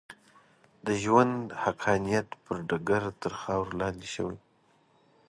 د ژوند حقانیت پر ډګر تر خاورو لاندې شوې.